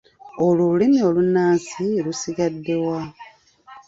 Olwo olulimi olunnansi lusigadde wa?